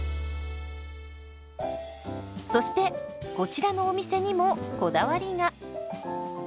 そしてこちらのお店にもこだわりが。